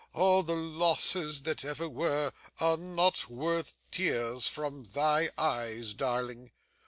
All the losses that ever were, are not worth tears from thy eyes, darling.